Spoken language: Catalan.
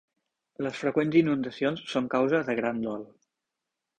Les freqüents inundacions són causa de gran dol.